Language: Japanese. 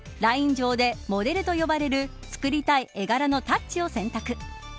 上で、モデルと呼ばれる作りたい絵柄のタッチを選択。